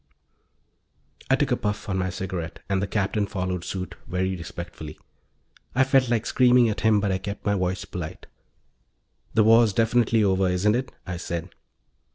I took a puff on my cigarette, and the Captain followed suit, very respectfully. I felt like screaming at him but I kept my voice polite. "The war's definitely over, isn't it?" I said.